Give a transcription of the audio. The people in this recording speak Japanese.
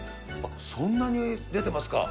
そんなに出てますか？